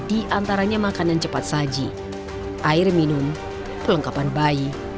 di antaranya makanan cepat saji air minum perlengkapan bayi